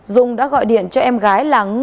dung đã gọi điện cho em gái là ngô thị tường